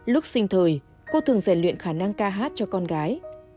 lúc sinh thời cô thường rèn luyện khả năng ca hát cho con gái